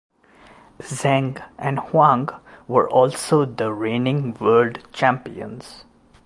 Zheng and Huang were also the reigning world champions.